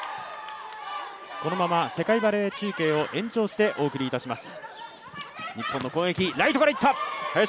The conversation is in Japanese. このまま世界バレー中継を延長してお送りいたします。